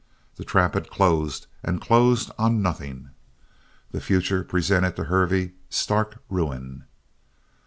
The trap had closed and closed on nothing. The future presented to Hervey stark ruin.